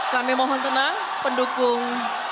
kami mohon tenang pendukung